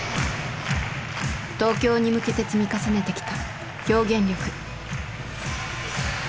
東京に向けて積み重ねてきた表現力。